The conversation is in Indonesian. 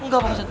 gak pak ustadz